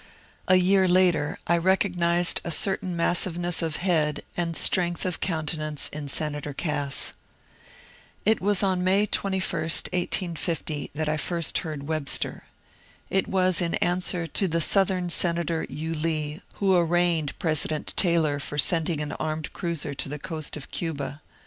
A year later I recognized a certain massive ness of head and strength of countenance in Senator Cass. It was on May 21, 1850, that I first heard Webster. It was in answer to the Southern Senator Yulee, who arraigned President Taylor for sending an armed cruiser to the coast of Cuba.